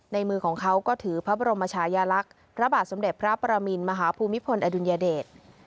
ในมือของเขาก็ถือพระบรมชายลักษณ์พระบาทสมเด็จพระประมินมหาภูมิพลอดุลยเดช